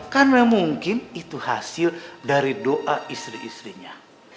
karena mungkin itu hasil dari doa istri istrinya